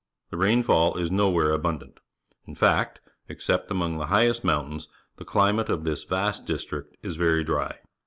The rainfall is nowhere abundant; in fact, except among the highest mountains, the climate of this vast dis trict is verj^ dry.